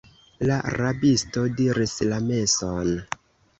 La rabisto diris la meson!